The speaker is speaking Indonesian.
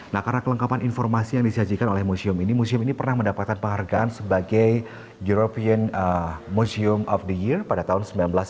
nah karena kelengkapan informasi yang disajikan oleh museum ini museum ini pernah mendapatkan penghargaan sebagai european museum of the year pada tahun seribu sembilan ratus sembilan puluh